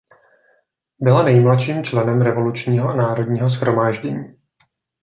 Byla nejmladším členem Revolučního národního shromáždění.